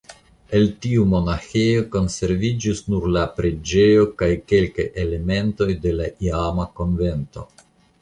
El tiu monaĥejo konserviĝis nur la preĝejo kaj kelkaj elementoj de la iama konvento.